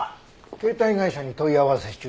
携帯会社に問い合わせ中。